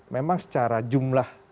memang secara jumlah